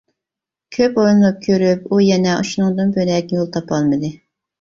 كۆپ ئويلىنىپ كۆرۈپ ئۇ يەنە شۇنىڭدىن بۆلەك يول تاپالمىدى.